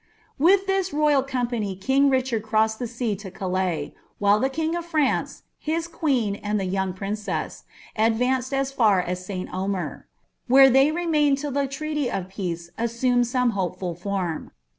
With this royal company king BicharJ crossed thtt sra W OM while the king of France, his queen, and the young princess, ad*a^ as far as St. Omer : where they remained till the treaty of peace iwwJ some hopeful form.